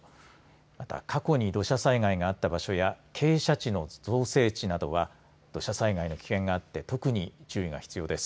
また過去に土砂災害があった場所や傾斜地の造成地などは土砂災害の危険があって特に注意が必要です。